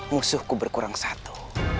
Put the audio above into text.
musuhku berkurang satu